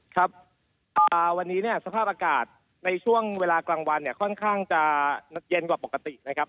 ครับวันนี้เนี่ยสภาพอากาศในช่วงเวลากลางวันเนี่ยค่อนข้างจะเย็นกว่าปกตินะครับ